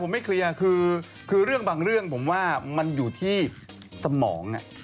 ผมไม่เคลียร์คือเรื่องบางเรื่องผมว่ามันอยู่ที่สมอง